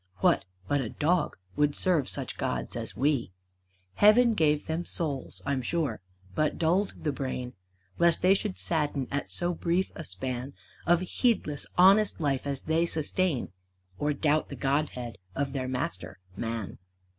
What, but a dog, would serve such gods as we? Heaven gave them souls, I'm sure; but dulled the brain, Lest they should sadden at so brief a span Of heedless, honest life as they sustain; Or doubt the godhead of their master, Man.